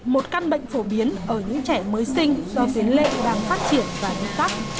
một căn bệnh phổ biến ở những trẻ mới sinh do tiến lệ đang phát triển và đi khắp